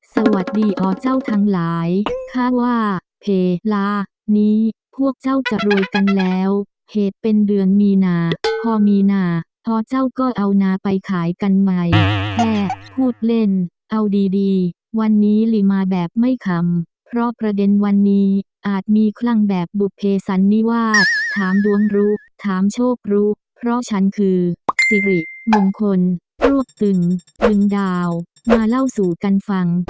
สวัสดีอเจ้าทั้งหลายคาดว่าเพลานี้พวกเจ้าจะรวยกันแล้วเหตุเป็นเดือนมีนาพอมีนาพอเจ้าก็เอานาไปขายกันใหม่แค่พูดเล่นเอาดีดีวันนี้ลีมาแบบไม่คำเพราะประเด็นวันนี้อาจมีคลั่งแบบบุเพสันนิวาสถามดวงรู้ถามโชครู้เพราะฉันคือสิริมงคลรวบตึงตึงดาวมาเล่าสู่กันฟัง